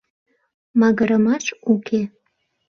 — Магырымаш уке.